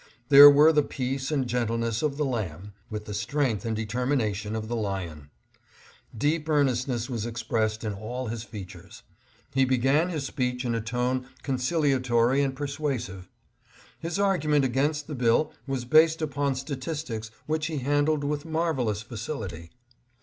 There were the peace and gentleness of the lamb, with the strength and determination of the lion. Deep earnestness was expressed in all his features. He began his speech in a tone conciliatory and persuasive. His argument against the bill was based upon statistics which he handled with marvelous facility.